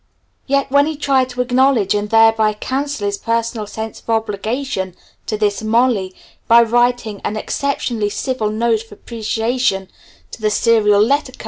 Yet when he tried to acknowledge and thereby cancel his personal sense of obligation to this "Molly" by writing an exceptionally civil note of appreciation to the Serial Letter Co.